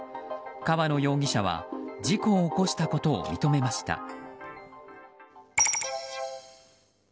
川野容疑者は事故を起こしたことを認めました。